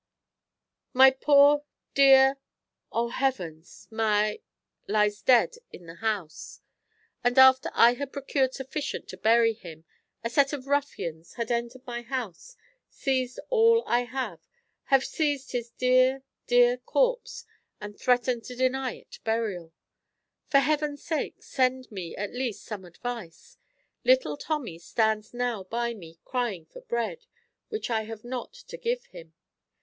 My poor dear, O Heavens my lies dead in the house; and, after I had procured sufficient to bury him, a set of ruffians have entered my house, seized all I have, have seized his dear, dear corpse, and threaten to deny it burial. For Heaven's sake, send me, at least, some advice; little Tommy stands now by me crying for bread, which I have not to give him.